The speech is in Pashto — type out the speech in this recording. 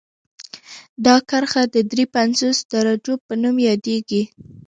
دا کرښه د دري پنځوس درجو په نوم یادیږي